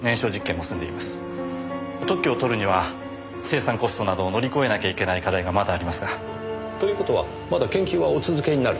特許を取るには生産コストなど乗り越えなきゃいけない課題がまだありますが。という事はまだ研究はお続けになる。